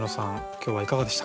今日はいかがでしたか？